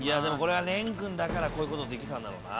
廉君だからこういうことできたんだろうな。